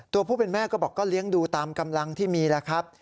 ผู้เป็นแม่ก็บอกก็เลี้ยงดูตามกำลังที่มีแล้วครับ